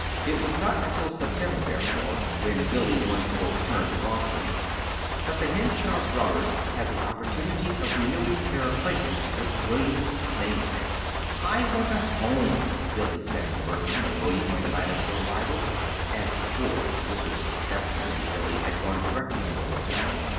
It was not until September, therefore, when Billy once more returned to Boston, that the Henshaw brothers had the opportunity of renewing their acquaintance with William's namesake. "I want a home," Billy said to Bertram and William on the night of her arrival. (As before, Mrs. Stetson and Billy had gone directly to a hotel.)